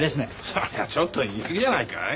それはちょっと言いすぎじゃないかい？